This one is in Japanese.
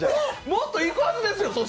もっといくはずですよ。